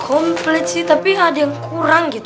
komplit sih tapi ada yang kurang gitu